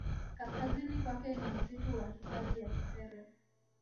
Kaskazini kwake ni msitu wa hifadhi ya Kisere